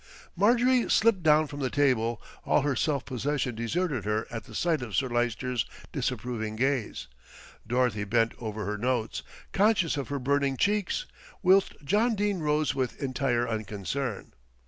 Marjorie slipped down from the table, all her self possession deserting her at the sight of Sir Lyster's disapproving gaze. Dorothy bent over her notes, conscious of her burning cheeks, whilst John Dene rose with entire unconcern.